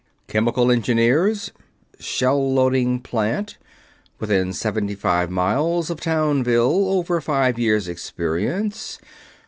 "CHEMICAL ENGINEERS ... shell loading plant ... within seventy five miles of Townville ... over five years experience